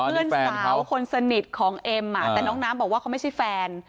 เพื่อนสาวคนสนิทของเอ็มแต่น้องน้ำบอกว่าเขาไม่ใช่แฟน